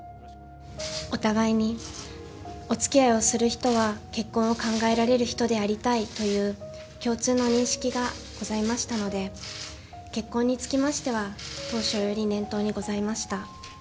お互いにおつきあいをする人は、結婚を考えられる人でありたいという、共通の認識がございましたので、結婚につきましては、当初より念頭にございました。